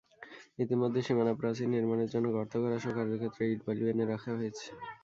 ইতিমধ্যে সীমানাপ্রাচীর নির্মাণের জন্য গর্ত করাসহ কার্যক্ষেত্রে ইট, বালু এনে রাখা হয়েছে।